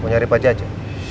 mau nyari panjaja